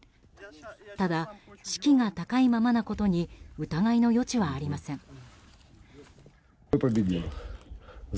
ただ、士気が高いままなことに疑いの余地はありません。